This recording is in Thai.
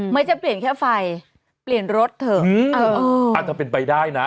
ไม่ใช่เปลี่ยนแค่ไฟเปลี่ยนรถเถอะอาจจะเป็นไปได้นะ